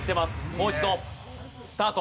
もう一度スタート。